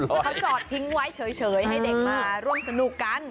คือเขาจอดทิ้งไว้เฉยให้เด็กมาร่วมสนุกกัน